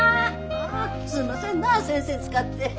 ああすんませんな先生使って。